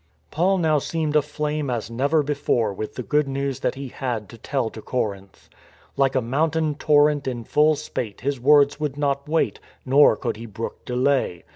Paul now seemed aflame as never before with the Good News that he had to tell to Corinth. Like a mountain torrent in full spate his words would not wait, nor could he brook delay.